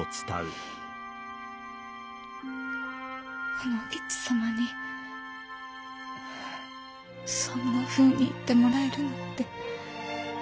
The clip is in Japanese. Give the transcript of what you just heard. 卯之吉様にそんなふうに言ってもらえるなんて。